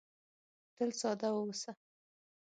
تل ساده واوسه .